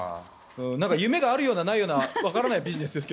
夢があるようなないようなわからないようなビジネスですが。